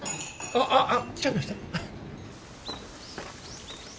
あっあっ来ちゃいました？